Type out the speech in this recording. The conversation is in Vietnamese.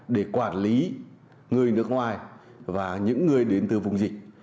để quản lý người nước ngoài và những người đến từ vùng dịch